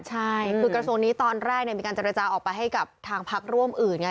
ใช่คือกระทรวงนี้ตอนแรกมีการเจรจาออกไปให้กับทางพักร่วมอื่นไง